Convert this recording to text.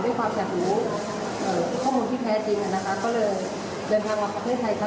เพื่อที่จะตัดลายติดตาม